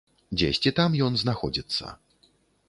Дзесьці там ён знаходзіцца.